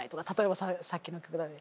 例えばさっきの曲